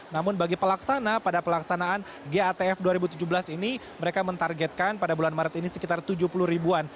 namun bagi pelaksana pada pelaksanaan gatf dua ribu tujuh belas ini mereka mentargetkan pada bulan maret ini sekitar tujuh puluh ribuan